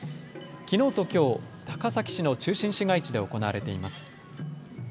きのうときょう、高崎市の中心市街地で行われています。